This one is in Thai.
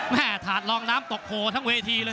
แหมธาตุรองค์น้ำตกโขทั้งเวทีเลย